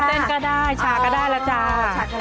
เส้นก็ได้ชาก็ได้แล้วจ้า